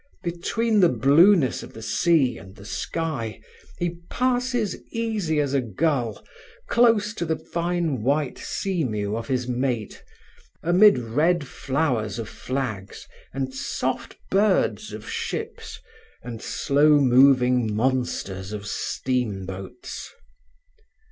Between the blueness of the sea and the sky he passes easy as a gull, close to the fine white seamew of his mate, amid red flowers of flags, and soft birds of ships, and slow moving monsters of steamboats.